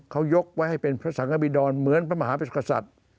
เขายกไว้ให้เป็นสังฆ์อบีดรเหมือนพระมหาภิกษฐ